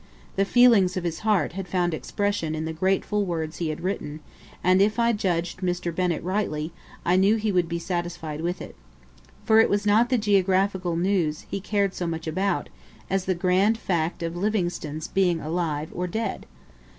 The feelings of his heart had found expression in the grateful words he had written; and if I judged Mr. Bennett rightly, I knew he would be satisfied with it. For it was not the geographical news he cared so much about, as the grand fact of Livingstone's being alive or dead.